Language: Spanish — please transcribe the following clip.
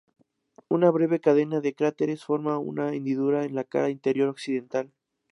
Una breve cadena de cráteres forma una hendidura en la cara interior occidental.